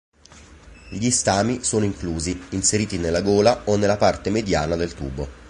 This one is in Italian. Gli stami sono inclusi, inseriti nella gola o nella parte mediana del tubo.